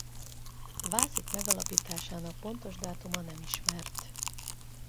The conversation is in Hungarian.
Vászit megalapításának pontos dátuma nem ismert.